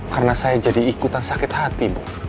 karena saya jadi ikutan sakit hati bu